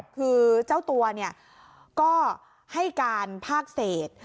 คือเจ้าตัวก็ให้การภาคเศษ